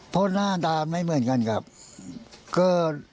เพราะหน้าตาไม่เหมือนกันครับ